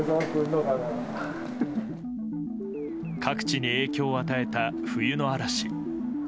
各地に影響を与えた冬の嵐。